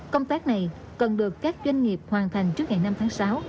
công tác này cần được các doanh nghiệp hoàn thành trước ngày năm tháng sáu